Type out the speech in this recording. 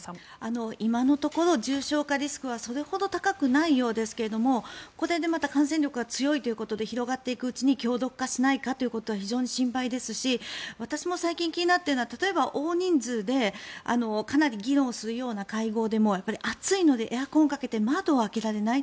今のところ重症化リスクはそれほど高くないようですがこれでまた感染力が強いということで広がっていくうちに強毒化しないかが非常に心配ですし私も最近気になっているのは例えば、大人数でかなり議論するような会合でも暑いのでエアコンをかけて窓を開けられない。